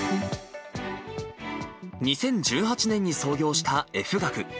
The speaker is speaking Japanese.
２０１８年に創業したＦ学。